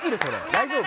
大丈夫？